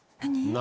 何？